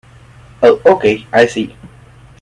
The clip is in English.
Oh okay, I see.